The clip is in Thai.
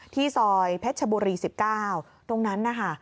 ซอยเพชรชบุรี๑๙ตรงนั้นนะคะ